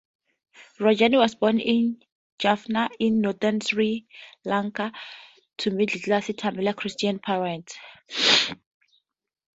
Rajani was born in Jaffna, in northern Sri Lanka, to middle-class Tamil Christian parents.